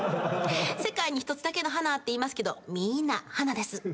「世界に一つだけの花」っていいますけどみんな花です。